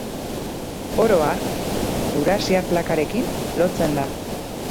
Oro har, Eurasiar plakarekin lotzen da.